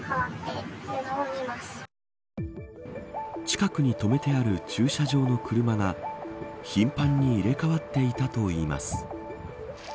近くに止めてある駐車場の車が頻繁に入れ替わっていたといいます。